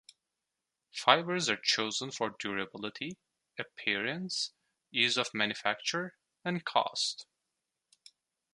Fibres are chosen for durability, appearance, ease of manufacture, and cost.